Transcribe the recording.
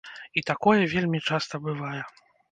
І такое вельмі часта бывае.